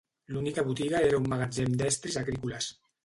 L'única botiga era un magatzem d'estris agrícoles.